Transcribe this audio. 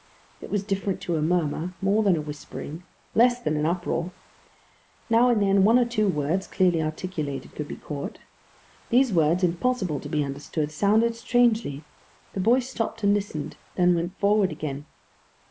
It was different to a murmur, more than a whispering, less than an uproar. Now and then one or two words, clearly articulated, could be caught. These words, impossible to be understood, sounded strangely. The boys stopped and listened; then went forward again.